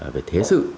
về thế sự